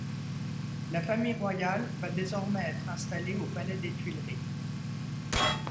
La famille royale va désormais être installée au palais des Tuileries.